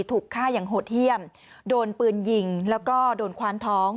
ถูกฆ่าอย่างโหดเยี่ยมโดนปืนยิงแล้วก็โดนคว้านท้อง